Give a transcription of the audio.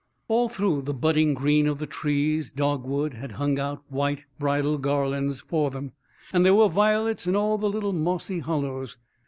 All through the budding green of the trees dogwood had hung out white bridal garlands for them, and there were violets in all the little mossy hollows.